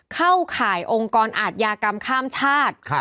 เข้าข่ายองค์กรอาทยากรรมข้ามชาติ